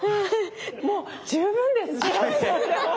もう十分です。